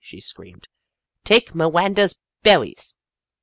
" she screamed. " Take Miwanda's bewwies!